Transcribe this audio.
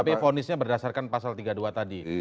tapi fonisnya berdasarkan pasal tiga puluh dua tadi